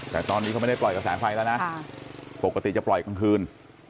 แต่ตอนนี้เขาไม่ได้ปล่อยกระแสไฟแล้วนะปกติจะปล่อยกลางคืน